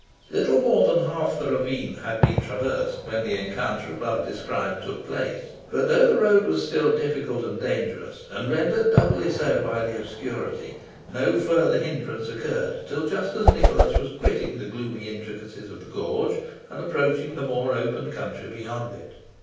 Little more than half the ravine had been traversed when the rencounter above described took place; but, though the road was still difficult and dangerous, and rendered doubly so by the obscurity, no further hindrance occurred till just as Nicholas was quitting the gloomy intricacies of the gorge, and approaching the more open country beyond it.